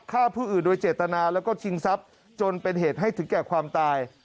ฆ่าผู้อื่นโดยเจตนาแล้วก็ชิงทรัพย์จนเป็นเหตุให้ถึงแก่ความตาย